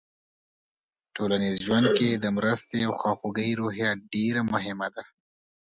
ټولنیز ژوند کې د مرستې او خواخوږۍ روحیه ډېره مهمه ده.